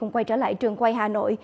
quay trở lại trường quay hà nội